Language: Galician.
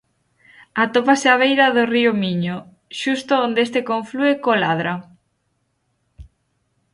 Atópase á beira do río Miño, xusto onde este conflúe co Ladra.